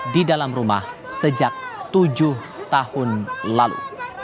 di dalam rumah sejak tujuh tahun lalu